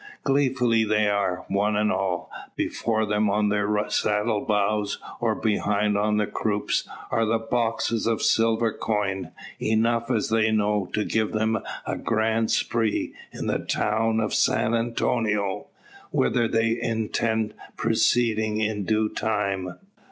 Gleeful they are, one and all. Before them on their saddle bows, or behind on the croups, are the boxes of silver coin; enough, as they know, to give them a grand spree in the town of San Antonio, whither they intend proceeding in due time.